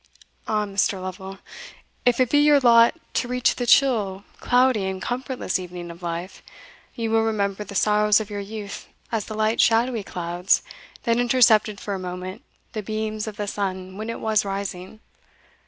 Ah, Mr. Lovel! if it be your lot to reach the chill, cloudy, and comfortless evening of life, you will remember the sorrows of your youth as the light shadowy clouds that intercepted for a moment the beams of the sun when it was rising.